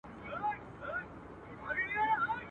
خزان به تېر وي پسرلی به وي ګلان به نه وي.